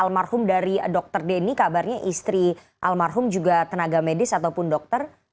almarhum dari dr denny kabarnya istri almarhum juga tenaga medis ataupun dokter